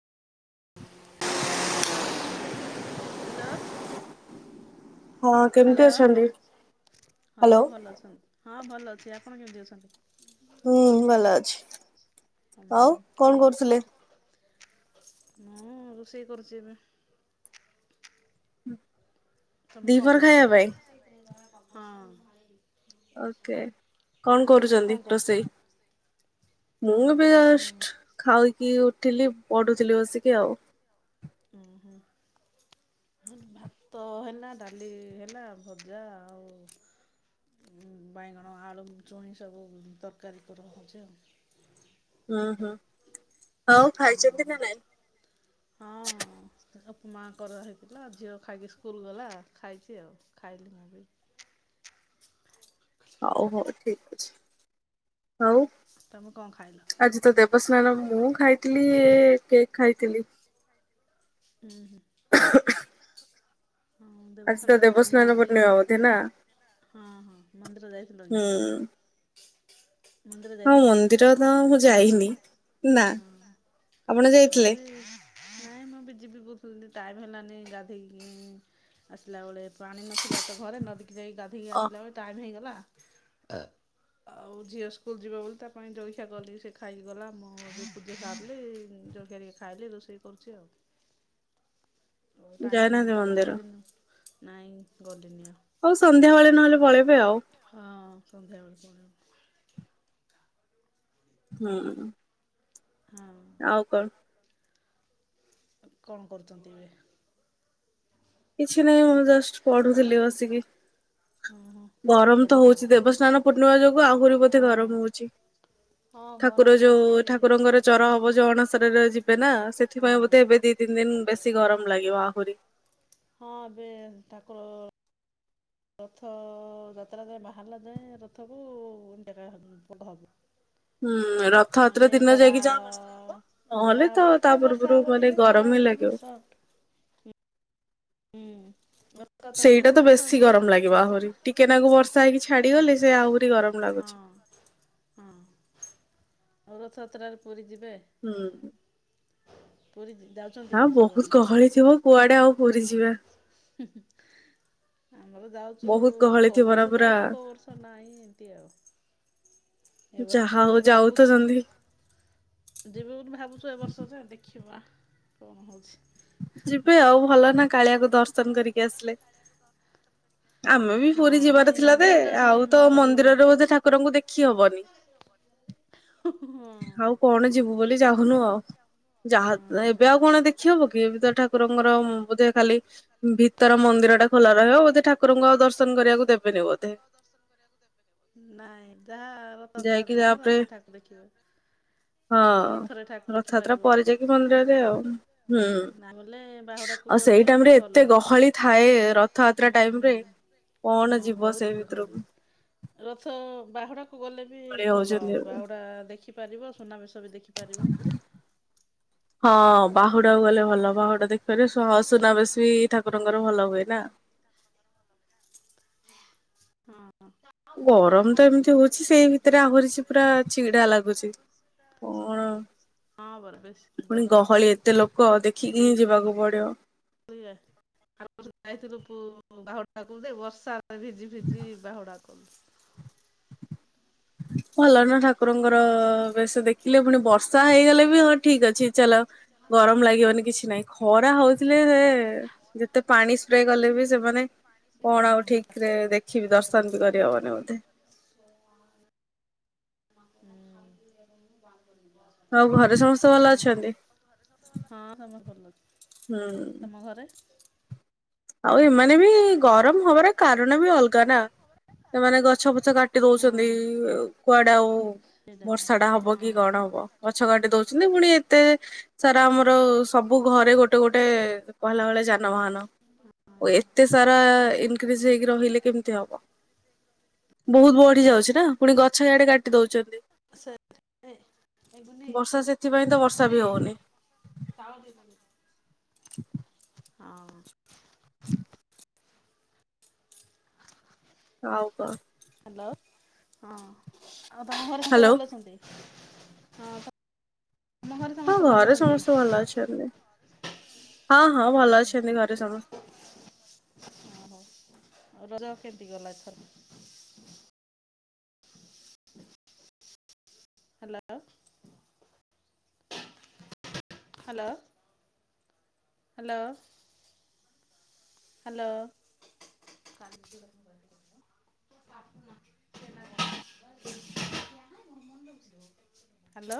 [unintelligible] Hello. Hello ହଁ ହଁ ଭଲଅକନ୍ତି କେମିତି ଅଛନ୍ତି? ହଁ ଭଲ ହ୍ୟାଲୋ ଆପଣ କେମିତି ଅଛନ୍ତି? ହୁଁ ଭଲ ଅଛି ଆଉ କଣ କରୁଥିଲେ? ମୁଁ ରୋଷେଇ କରୁଛି ଏବେ। ତମେ କଣ ଦିପହର କରୁଛ? ଖାଇବା ପାଇଁ? ହଁ। ଓକେ କଣ ତମେ କରୁଛନ୍ତି କଣ କରୁଛ? ରୋଷେଇ? ମୁଁ ଅବେ ଜଷ୍ଟ ଖାଉକି ଉଠିଲି ପଢୁଥିଲି ବସିକି ଆଉ। ହୁଁ ଭାତ ହେଲା ଡାଲି ହେଲା ଭଜା ଆଉ ବାଇଗଣ ଆଳୁ ଚୁଇଁ ସବୁ ତରକାରୀ କରା ହୋଉଛି ଆଉ। ହୁଁ ହୁଁ। ଆଉ ହଁ। ଖାଇଛନ୍ତି ନା ନାଇଁ? ମା କରି ହେଇଥିଲା ଝିଅ ଖାଇକି ସ୍କୁଲ ଗଲା ଖାଇଛି ଆଉ ଖାଇଲି ହଉ ହଉ ଠିକ ଅଛି। ହଉ ତମେ କଣ ଖାଇଲ? ଆଜି ତ ଦେବସ୍ନାନ ମୁଁ ଖାଇ ଥିଲ କେକ୍ ଖାଇଥିଲି। ହୁଁ। ହଁ ଆଜି ଦେବସ୍ନାନ ତ ପୂର୍ଣ୍ଣିମା ଦେବସ୍ନାନ ଆଜି ପୂର୍ଣ୍ଣିମା ବୋଧେ ନା? ହଁ ହଁ ମନ୍ଦିର ଯାଇଥିଲ କି? ହୁଁ ମନ୍ଦିର ହଁ ଯାଇଥିଲ? ମନ୍ଦିର ତ ମୁଁ ଯାଇନି ନା। ହଁ ଆପଣ ମୁଁ ଯାଇଥିଲେ? ବି ମୁ ବି ଯିବି ବହୁତ [unintelligible] ଟାଇମ୍ ହେଲାନି ଗାଧେଇକି ଇଁ ଆସିଲା ବଳେ ପାଣି ନଥିଲା ତ ଘରେ ନଦୀ କି ଯାଇକି ଗାଧେଇକି ଅ ଆସିଲା ବେଳେ ଟାଇମ୍ ହେଇଗଲା। ଅ ଆଉ ଝିଅ ସ୍କୁଲ ଯିବ ବୋଲି ତା ପାଇଁ ଜଳଖିଆ କଲି। ସେ ଖାଇକି ଗଲା। ମୁଁ ମୋର ପୂଜା ସାରିଲି। ଜଳଖିଆ ଟିକଏ ଖାଇ [unintelligible] ଲି ରୋଷେଇ କରୁଛି ଆଉ। ଓ ଟାଇମ ଯାଇନାହାନ୍ତି ହେଲାନି ତ ଆଉ ମନ୍ଦିର ଗଲିନ୍ ନାଇଁ ଗଲିନି ଆଉ। ହଉ ସନ୍ଧ୍ୟାବେଳେ ନହେଲେ ପଳେଇବେ ଆଉ। ହଁ ସନ୍ଧ୍ୟାବେଳେ ପଳେଇବ ହୁଁ। ହଁ। ଆଉ କଣ? କଣ କରୁଚନ୍ତି ଏବେ? କିଛି ନାହିଁ ମୁଁ ଜଷ୍ଟ ପଢୁଥିଲି ବସିକି। ହଁ ହଁ କଣ ଗରମ ତ ପଢ଼ା ହଉଚି। ଚାଲିଛି? ଦେବସ୍ନାନ ପୂର୍ଣ୍ଣିମା ଯୋଗୁ ଆହୁରି ବୋଧେ ଗରମ ହଁ। ହଉଚି। ହଁ ଗରମ ଠାକୁର ହଉଛି। ଯୋଉ ଠାକୁରଙ୍କର ଚର ହବ ଯୋଉ ଅଣସରରେ ଯି ବେ ନା ସେଥିପାଇଁ ହଁ। ବୋଧେ ଏବେ ଦି ତିନି ଦିନ ବେଶୀ ଗରମ ଲାଗିବ ଆହୁରି। ହଁ ଏବେ ଠାକୁର ରଥ ଅଅଅଅ ଯାତ୍ରା ଯାଏ ବାହାରିଲା ଯାଏ ରଥକୁ ଏମତିଆ ପ୍ରାଏ ହବ୍ ଉମ୍ [unintelligible] ହବ। ହୁଁ ରଥଯାତ୍ରା ମାନେ ଦିନ ଖରା ଯାଇକି ଯା [unintelligible] ହବ। ଖରା ନହେଲେ ତ ହବ ତା ଟିକେ ବର୍ଷା ପୂର୍ବରୁ ହବ ମାନେ ଟିକେ ଗରମ ଖରା ହିଁ ହବ ଲାଗିବ। ଟିକେ ବର୍ଷା ହବ୍ ରଥଯାତ୍ରା ଦିନ ସେଇଟା ତ ବର୍ଷା ବେଶୀ ହୁଏ। ଗରମ ଲାଗିବ ଆହୁରି ଟିକେ ନାକୁ ବର୍ଷା ହେଇକି ହୁଁ ଛାଡିଗଲେ ସେ ଆହୁରି ଗରମ ଲାଗ୍ ହଁ। ଆର ରଥଯାତ୍ରାରେ ପୁରୀ ଯିବ୍ ହୁଁ। ପୁରୀ ଯାଉଛନ୍ତି ନା ବହୁତ ଗହଳି ଥିବ କୁଆଡେ ଆଉ ପୁର୍ ହୁଁ। ଆମର ଯାଉଚୁ ବହୁତ ଗହଳି ଥିବ କୋଉ ନା ବର୍ଷ ପୁରା ଯାଉଚୁ କୋଉ ବର୍ଷ ନାହିଁ ଏମିତି ଆଉ। ଏ ଯାହା ହଉ ଯାଉ ତ ସେମତି। ଯିବି ବୋଲି ଭାବୁଚୁ ଏ ବର୍ଷ ଯେ ଦେଖିବା କଣ ହଉଛି? ଯିବେ ଆଉ ଭଲ ନା କାଳିଆକୁ ଦର୍ଶନ କରିକି ଆସିଲେ। ଆମେ ବି ହଁ ପୁରୀ ଯିବାର ନାଇଁ ଥିଲା ଦେ ଡେଟ୍ ଅଛି ଆଉ ତ ମୋର ବି ମନ୍ଦିରରେ ବୋଧେ ଠାକୁରଙ୍କୁ ଦେଖି ହବନି। ହଁ ହଁ। ଆଉ କଣ ଯିବୁ ବୋଲି ଯାହୁଁନୁ ଆଉ। ଯାହା ହଁ। ଏବେ ଆଉ କଣ ଦେଖି ହବ କି? ତିନିଟା ଠାକୁରଙ୍କର ବୋଧେ ଖାଲି ଭିତର ମନ୍ଦିର ଟା ଖୋଲା ରହିବ ବୋଧେ ଠାକୁରଙ୍କୁ ଆଉ ଦର୍ଶନ କରି ତାକୁ ଦେବେ ନି ବଧେ। ନାଁଇ ଯାହା ରଥ ଯାଇକି [unintelligible] ଦିନ ତାପରେ ରଥରେ ଠାକୁ ଦେଖିବ। ହଁ ରଥଯାତ୍ରା ପରେ ଆଉ ଯାଇକି ମନ୍ଦିରରେ ଆଉ ହୁଁ। ନାଇଁ ଗଲେ ବାହୁଡ଼ାକୁ ଆଉ ଗଲେ ସେଇ ବି ଟାଇମ ରେ ଭଲ। ଏତେ ଗହଳି ଥାଏ ରଥଯାତ୍ରା ହୁଁ ଟାଇମ ରେ। ହୁଁ ହଁ ପଣ ଯିବ ବହୁତ ସେଇ ଗହଳି। ଭିତରକୁ? ରଥ ବାହାଡା କୁ ଗଲେ ବି ଗହଳି ଭଲ ହଉଛନ୍ତି ଆଉରି ଏବେ। ବାହୁଡ଼ା ଦେଖିପାରିବ, ସୁନାବେଶ ବି ଦେଖିପାରିବ। ହଁ ବାହୁଡାକୁ ଗଲେ ଭଲ। ବାହୁଡା ଦେଖିପାରିବ, ସହ ସୁନାବେଶ୍ ବି ଠାକୁରଙ୍କର ଭଲ ହୁଏ ନା। ହଁ। ଗରମ ତ ଏମିତି ହଉଚି ସେଇ ଭିତରେ ଆହୁରିଛି ପୁରା ଚିଡା ଲାଗୁଛି। ହୁଁ। ହଁ ପରା ବେଶୀ ବହୁତ ପୁଣି ଗରମ ଗହଳି ହଉଛି ଏତେ ଲୋକ ଦେଖିକି ହିଁ ଯିବାକୁ ପଡିବ। [unintelligible] ଆରବର୍ଷ ଯାଇଥିଲୁ ପୁ ବାହୁଡାକୁ ଯେ ବର୍ଷା। ଆ ଭିଜି ଫିଜି ବାହୁଡ଼ା। [inaudible] ଭଲ ନା ଠାକୁରଙ୍କର ବେଶ ଦେଖିଲେ ପୁଣି ବର୍ଷା ହେଇଗଲେ ବି ହଁ ଠିକ ଅଛି ଚାଲ। ଗରମ ଲାଗିବନି କିଛି ନାହିଁ ଖରା ହଉଥିଲେ ସେ ଯେତେ ପାଣି ସ୍ପ୍ରେ କଲେ ବି ସେମାନେ କଣ ଆଉ ଠିକ ରେ ଦେଖିବି ଦର୍ଶନ ବି କରିହବନି ବୋଧେ [inaudible] ଆଉ ଘରେ ସମସ୍ତେ ଭଲ ଓହୋ ଅଛନ୍ତି। ହଁ ସବୁ ଭଲ ହୁଁ। ତମ ଘରେ ଆଉ ଏମାନେ ବି ଗରମ ହବାର କାରଣ ବି ଅଲଗା ନା ସେମାନେ ଗଛ ଫଛ କାଟି ହଁ ଦଉଛନ୍ତି କୁଆଡେ ଆଉ ସେଇଟା ହଁ ବର୍ଷା ଟା ହବକି କଣ ହବ ଗଛ କାଠି ଦଉଛି ପୁଣି ପୁଣି ଏତେ ସାରା ଆମର ସବୁ ଘରେ ଗୋଟେ ଗୋଟେ କହିଲା ବେଳେ ଯାନବାହାନ ଓ ଏତେ ସାରା ଇନକ୍ରିଜ ହେଇକି ରହିଲେ କେମତି ହବ। ବହୁତ ବଢି ଯାଉଛି ନା ପୁଣି ଗଛ ଆଡେ କାଟି ଦୋଉଛନ୍ତି ସେଏ ମୁନି ବର୍ଷା ସେଥିପାଇଁ ତ ବର୍ଷା ମୁନି ବି ହଉନି ତାଳ ଦେଏ ତାଙ୍କୁ ହଁ ଆଉ କ ହ୍ୟାଲୋ ହଁ ଆଉ ବାହାରେ ସମସ୍ତେ ହ୍ୟାଲୋ ଭଲ ଅଛନ୍ତି ହଁ ଘରେ ହଁ ସମସ୍ତେ ଭଲ ଘରେ ଅଛନ୍ତି କି? ସମସ୍ତେ ଭଲ ଅଛନ୍ତି। ହଁ ହଁ ଭଲ ଅଛନ୍ତି ଘରେ ସମସ୍ତେ ରଜରେ କେମିତି ଗଲା ଏଥର? Hello hello hello hello [inaudible] hello